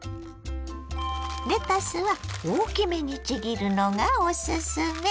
レタスは大きめにちぎるのがおすすめ。